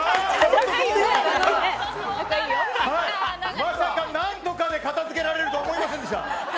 まさか何とかで片付けられると思いませんでした。